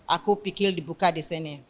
aku pikir dibuka di sini